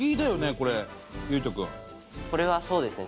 これはそうですね。